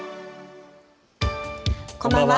こんばんは。